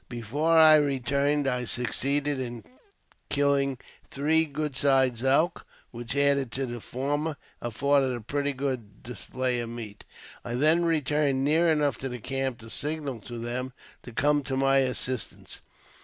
Before I returned, I succeeded in killing three good sized elk, which, added to the former, afforded a pretty good display of meat. I then returned near enough to the camp to signal to them to come to my assistance.